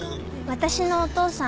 私のお父さん。